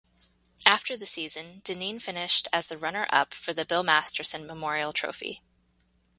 After the season, Dineen finished as the runner-up for the Bill Masterton Memorial Trophy.